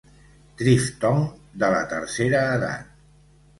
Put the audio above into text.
Triftong de la tercera edat.